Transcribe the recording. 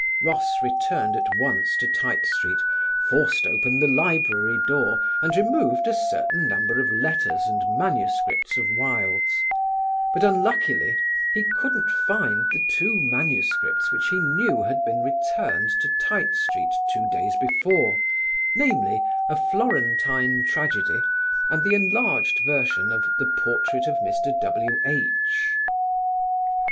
Ross returned at once to Tite Street, forced open the library door and removed a certain number of letters and manuscripts of Wilde's; but unluckily he couldn't find the two MSS. which he knew had been returned to Tite Street two days before, namely, "A Florentine Tragedy" and the enlarged version of "The Portrait of Mr. W.H."